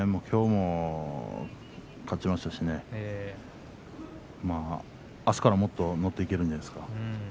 きょうも勝ちましたしあすからもっと乗っていけるんじゃないですか。